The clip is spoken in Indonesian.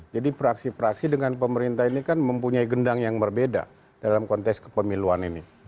jadi fraksi fraksi dengan pemerintah ini kan mempunyai gendang yang berbeda dalam konteks kepemiluan ini